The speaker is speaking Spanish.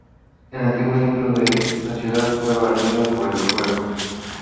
El antiguo centro de la ciudad fue barrido por el fuego.